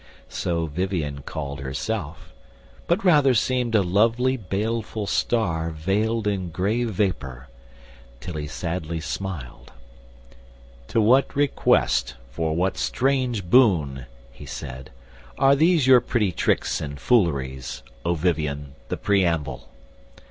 So Vivien called herself, But rather seemed a lovely baleful star Veiled in gray vapour; till he sadly smiled: "To what request for what strange boon," he said, "Are these your pretty tricks and fooleries, O Vivien, the preamble?